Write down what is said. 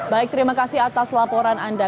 baik terima kasih atas laporan anda